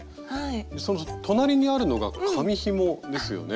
その隣にあるのが紙ひもですよね？